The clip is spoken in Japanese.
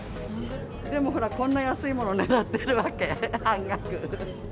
でもほら、こんな安いものねらってるわけ、半額。